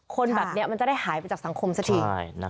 คนแบบนี้มันจะได้หายไปจากสังคมสักที